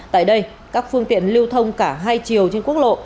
tại đây các phương tiện lưu thông cả hai chiều trên quốc lộ